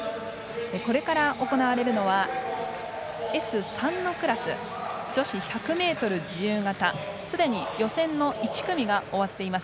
これから行われるのはＳ３のクラス女子１００ｍ自由形すでに予選の１組が終わっています。